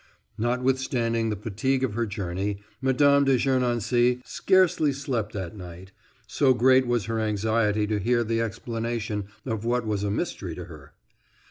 Notwithstanding the fatigue of her journey, Mme. de Gernancé scarcely slept that night, so great was her anxiety to hear the explanation of what was a mystery to her.